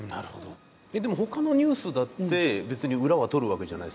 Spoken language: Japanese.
えっでもほかのニュースだって別に裏は取るわけじゃないですか。